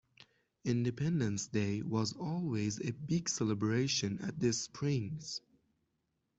Independence Day was always a big celebration at the springs.